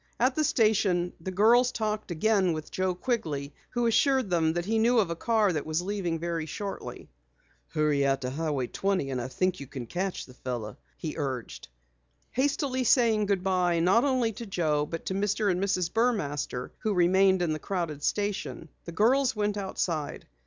At the station the girls talked again with Joe Quigley who assured them he knew of a car that was leaving very shortly. "Hurry out to Highway 20 and I think you can catch the fellow," he urged. Hastily saying goodbye not only to Joe but to Mr. and Mrs. Burmaster who remained in the crowded station, the girls went outside.